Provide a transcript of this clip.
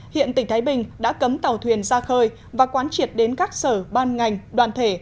hiện tỉnh thái bình đã cấm tàu thuyền ra khơi và quán triệt đến các sở ban ngành đoàn thể